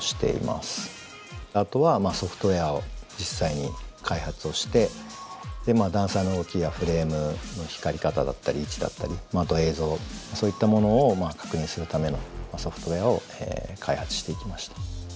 あとはソフトウエアを実際に開発をしてダンサーの動きやフレームの光り方だったり位置だったりあと映像そういったものを確認するためのソフトウエアを開発していきました。